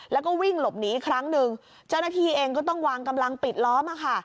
แล้วก็วิ่งหลบหนีอีกครั้งหนึ่งเจ้าหน้าที่เองก็ต้องวางกำลังปิดล้อมอ่ะค่ะ